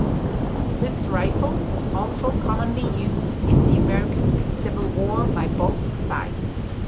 This rifle was also commonly used in the American Civil War by both sides.